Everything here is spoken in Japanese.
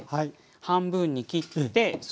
半分に切ってそこに。